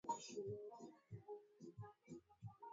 ambapo ndama laki nne huzaliwa katika kipindi cha wiki sita